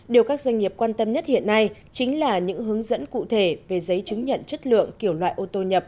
điều các doanh nghiệp quan tâm nhất hiện nay chính là những hướng dẫn cụ thể về giấy chứng nhận chất lượng kiểu loại ô tô nhập